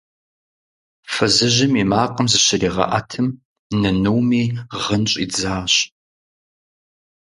Фызыжьым и макъым зыщригъэӀэтым, нынуми гъын щӀидзащ.